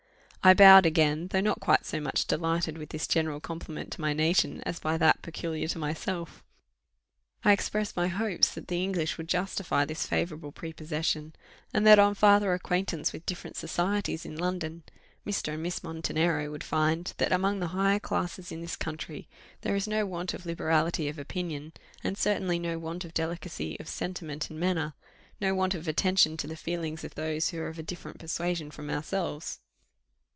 I bowed again, though not quite so much delighted with this general compliment to my nation as by that peculiar to myself. I expressed my hopes that the English would justify this favourable prepossession, and that on farther acquaintance with different societies in London, Mr. and Miss Montenero would find, that among the higher classes in this country there is no want of liberality of opinion, and certainly no want of delicacy of sentiment and manner no want of attention to the feelings of those who are of a different persuasion from ourselves.